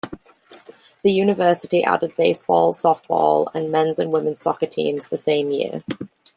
The university added baseball, softball, and men's and women's soccer teams the same year.